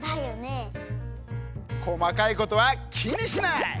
こまかいことはきにしない！